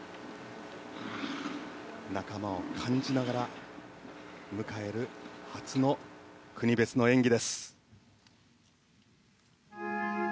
仲間を感じながら迎える初の国別の演技です。